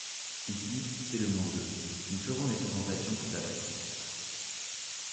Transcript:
Ici, c’est le moins deux. Nous ferons les présentations tout à l’heure.